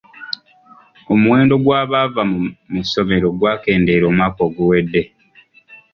Omuwendo gw'abaava mu ssomero gwakendeera omwaka oguwedde.